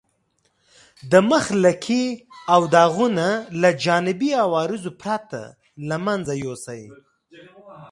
د مخ لکې او داغونه له جانبي عوارضو پرته له منځه یوسئ.